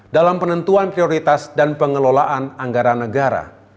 dalam penentuan prioritas dan pengelolaan anggaran negara